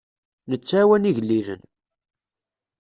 Nettɛawan igellilen.